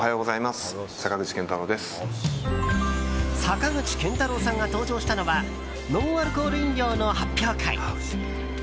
坂口健太郎さんが登場したのはノンアルコール飲料の発表会。